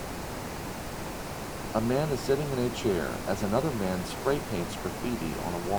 A man is sitting in a chair, as another man spray paints graffiti on a wall.